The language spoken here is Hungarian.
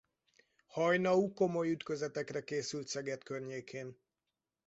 Haynau komoly ütközetekre készült Szeged környékén.